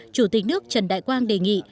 chủ tịch nước trần đại quang đề nghị